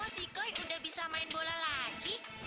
kok si koi sudah bisa main bola lagi